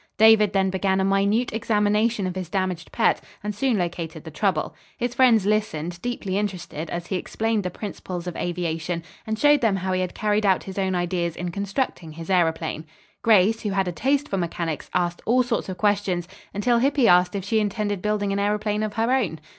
David then began a minute examination of his damaged pet, and soon located the trouble. His friends listened, deeply interested, as he explained the principles of aviation, and showed them how he had carried out his own ideas in constructing his aëroplane. Grace, who had a taste for mechanics, asked all sorts of questions, until Hippy asked her if she intended building an aëroplane of her own.